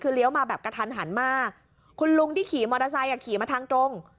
คือเลี้ยวมาแบบกระทันหันมากคุณลุงที่ขี่มอเตอร์ไซค์อ่ะขี่มาทางตรง